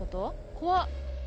怖っ